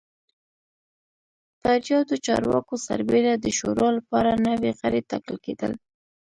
پر یادو چارواکو سربېره د شورا لپاره نوي غړي ټاکل کېدل